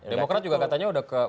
demokrat juga katanya udah ke